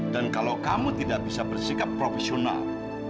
kalau kamu tidak bisa bersikap profesional